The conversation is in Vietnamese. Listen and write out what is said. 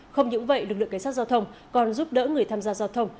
không những vậy lực lượng cảnh sát giao thông còn giúp đỡ người tham gia giao thông